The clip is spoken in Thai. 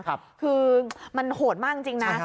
คือมันโหดมากจริงนะ